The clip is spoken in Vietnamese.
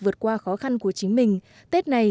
vượt qua khó khăn của chính mình tết này